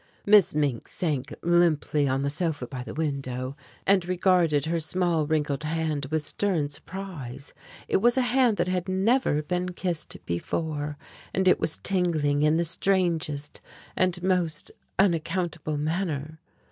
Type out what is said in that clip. Miss Mink sank limply on the sofa by the window, and regarded her small wrinkled hand with stern surprise. It was a hand that had never been kissed before and it was tingling in the strangest and most unaccountable manner.